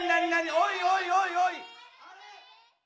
おいおいおいおい。